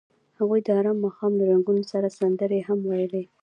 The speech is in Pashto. هغوی د آرام ماښام له رنګونو سره سندرې هم ویلې.